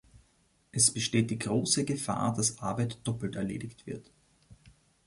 Es besteht die große Gefahr, dass Arbeit doppelt erledigt wird.